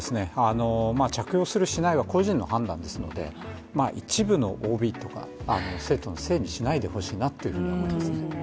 着用する、しないは個人の判断ですので一部のＯＢとか、生徒のせいにしないでほしいなというふうに思っています。